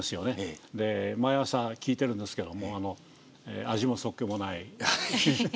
毎朝聞いてるんですけども味もそっけもない。